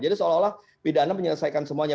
jadi seolah olah pidana menyelesaikan semuanya